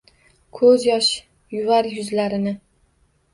Ko’zyosh yuvar yuzlarini